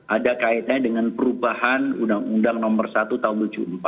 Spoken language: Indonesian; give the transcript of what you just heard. ada kaitannya dengan perubahan undang undang nomor satu tahun seribu sembilan ratus tujuh puluh empat